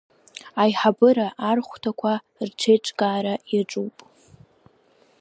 Аиҳабыра ар хәҭақәа реиҿкаара иаҿуп.